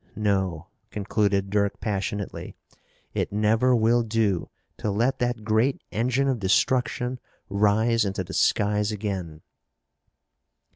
No," concluded Dirk passionately, "it never will do to let that great engine of destruction rise into the skies again!"